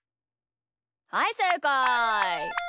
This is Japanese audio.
はいせいかい！